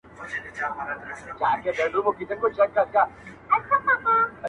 o تر تياره برخه مه تېرېږه٫